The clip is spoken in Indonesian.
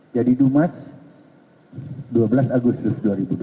jadi dumas dua belas agustus dua ribu dua puluh tiga